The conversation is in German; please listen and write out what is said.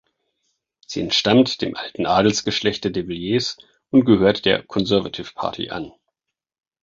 Sie entstammt dem alten Adelsgeschlecht der De Villiers und gehört der Conservative Party an.